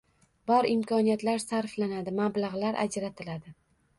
– bor imkoniyatlar sarflanadi, mablag‘lar ajratiladi